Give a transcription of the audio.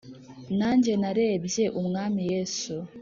Nanjye narebye Umwami Yesu,